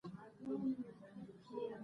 موږ ټول باید پهدې لاره کې مرسته وکړو.